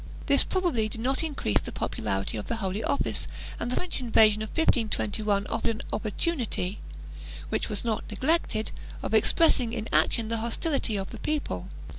This probably did not increase the popularity of the Holy Office and the French invasion of 1521 offered an opportunity, which was not neglected, of expressing in action the hostility of the people.